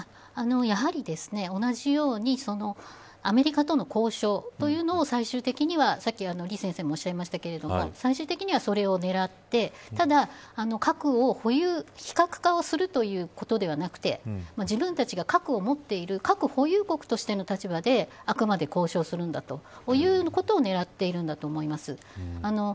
やはり同じようにアメリカとの交渉というのを最終的には李先生もおっしゃいましたが最終的にはそれを狙ってただ核を非核化をするということではなくて自分たちが核を持っている核保有国としての立場であくまで交渉するんだということを狙っているんだと思います。